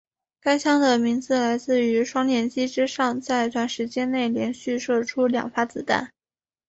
该枪的名字来自于双连击之上在短时间内连续射出两发子弹。